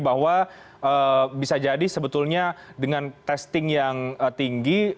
bahwa bisa jadi sebetulnya dengan testing yang tinggi